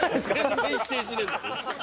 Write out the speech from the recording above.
全然否定しねえ。